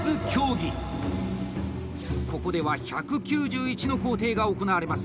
ここでは１９１の工程が行われます。